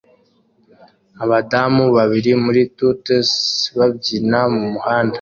Abadamu babiri muri tutus babyina mumuhanda